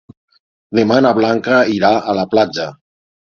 Demà na Blanca irà a la platja.